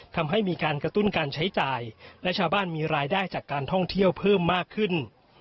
ทำให้มีการกระตุ้นการใช้จ่ายและชาวบ้านมีรายได้จากการท่องเที่ยวเพิ่มมากขึ้น